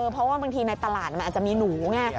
เพราะว่าบางทีในตลาดมันอาจจะมีหนูไง